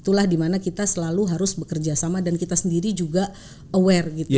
itulah dimana kita selalu harus bekerja sama dan kita sendiri juga aware gitu